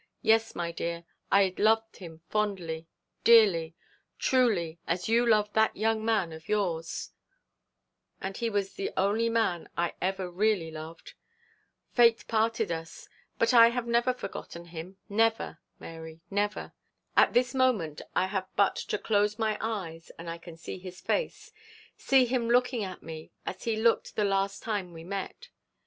Yes, my dear, I loved him fondly, dearly, truly, as you love that young man of yours; and he was the only man I ever really loved. Fate parted us. But I have never forgotten him never, Mary, never. At this moment I have but to close my eyes and I can see his face see him looking at me as he looked the last time we met.